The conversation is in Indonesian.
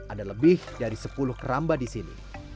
ada lebih dari sepuluh keramba di sini